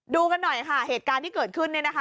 ดูกันหน่อยค่ะเหตุการณ์ที่เกิดขึ้นเนี่ยนะคะ